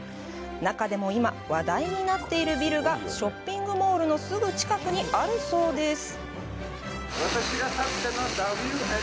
中でも今話題になっているビルがショッピングモールのすぐ近くにあるそうです。